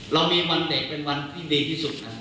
เรามีวันเด็กเป็นวันที่ดีที่สุดนะครับ